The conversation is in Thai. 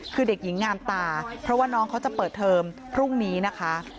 คือเด็กหญิงงามตาเพราะว่าน้องเขาจะเปิดเทอมพรุ่งนี้นะคะ